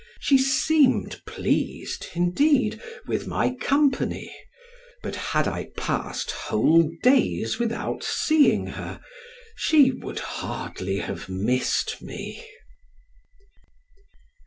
She seemed pleased, indeed, with my company, but had I passed whole days without seeing her she would hardly have missed me.